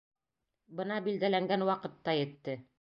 Бына билдәләнгән ваҡыт та етте.